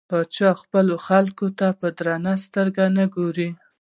پاچا خپلو خلکو ته په درنه سترګه نه ګوري .